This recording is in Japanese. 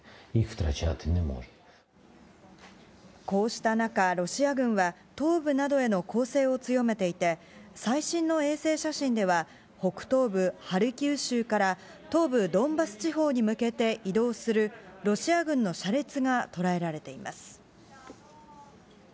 こうした中、ロシア軍は東部などへの攻勢を強めていて、最新の衛星写真では、北東部ハルキウ州から東部ドンバス地方に向けて移動する、ロシア軍の車列が捉えられています。